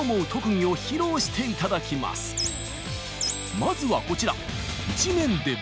まずはこちら。